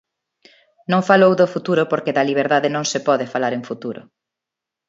Non falou do futuro porque da liberdade non se pode falar en futuro.